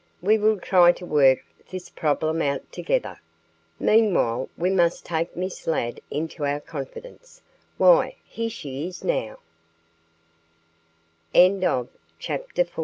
We will try to work this problem out together. Meanwhile we must take Miss Ladd into our confidence. Why, here she is now." CHAPTER V.